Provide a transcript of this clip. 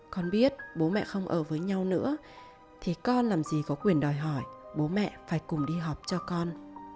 con biết bố mẹ không ở với nhau nữa thì con làm gì có quyền đòi hỏi bố mẹ phải cùng đi học cho con